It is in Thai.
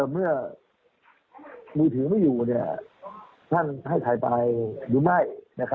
เมื่อมือถือไม่อยู่ท่านให้ถ่ายไปหรือไม่